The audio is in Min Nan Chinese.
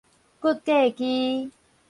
骨骼肌